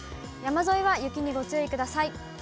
山沿いは雪にご注意ください。